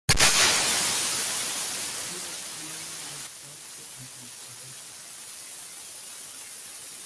He works mainly in sculpture and installations.